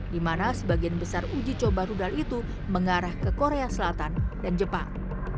di mana sebagian besar uji coba rudal itu mengarah ke korea selatan dan jepang